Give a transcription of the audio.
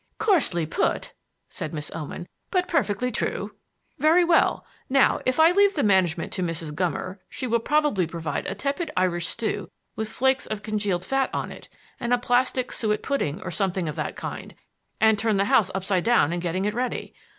"Coarsely put," said Miss Oman, "but perfectly true." "Very well. Now, if I leave the management to Mrs. Gummer, she will probably provide a tepid Irish stew with flakes of congealed fat on it, and a plastic suet pudding or something of that kind, and turn the house upside down in getting it ready.